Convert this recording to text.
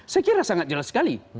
saya kira sangat jelas sekali